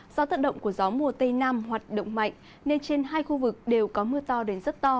do thận động của gió mùa tây nam hoạt động mạnh nên trên hai khu vực đều có mưa to đến rất to